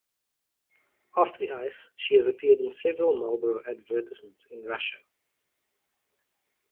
Off the ice, she has appeared in several Marlboro advertisements in Russia.